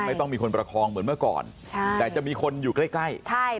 ไม่ต้องมีคนประคองเหมือนเมื่อก่อนแต่จะมีคนอยู่ใกล้